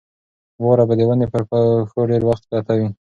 واوره به د ونې پر پښو ډېر وخت پرته وي.